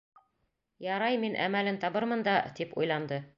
Ярай, мин әмәлен табырмын да, тип уйланды.